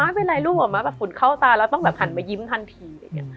ม้าเป็นไรลูกม้าฝุ่นเข้าตาแล้วต้องแบบหันมายิ้มทันที